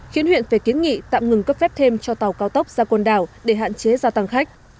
khiến huyện phải kiến nghị tạm ngừng cấp phép thêm cho tàu cao tốc ra con đảo để hạn chế gia tăng khách